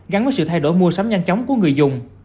gắn với sự thay đổi mua sắm nhanh chóng của người dùng